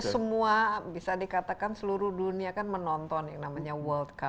semua bisa dikatakan seluruh dunia kan menonton yang namanya world cup